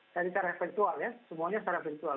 jadi secara eventual ya semuanya secara eventual